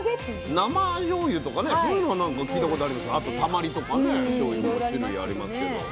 生じょうゆとかねそういうのはなんか聞いたことあるんですけどあとたまりとかねしょうゆも種類ありますけど。